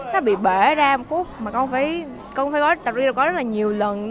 nó bị bể ra một cút mà con phải gói rất nhiều lần